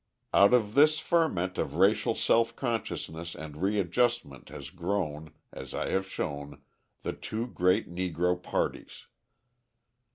Out of this ferment of racial self consciousness and readjustment has grown, as I have shown, the two great Negro parties.